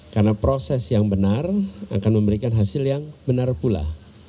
karena proses yang benar akan memberikan hasil yang benar pula